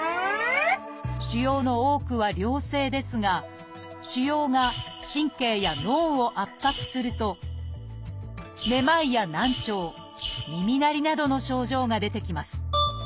腫瘍の多くは良性ですが腫瘍が神経や脳を圧迫するとめまいや難聴耳鳴りなどの症状が出てきます。